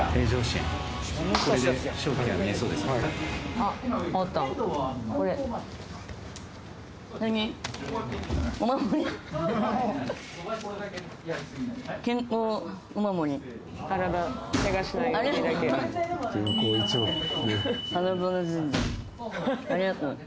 ありがとう。